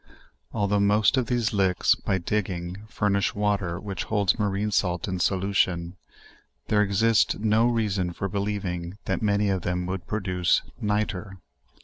Although most of these licks, by diging, furnish water which hold* marine salt in solution, there exists no reason for believing^ that many of them would produce nitre.